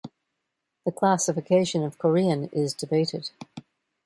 The classification of Korean is debated.